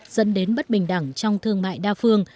dẫn đến bất bình đẳng trong thương mại đa phương